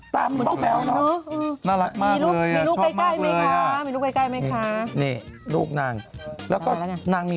ตามเหมือนเบาแควน่ะ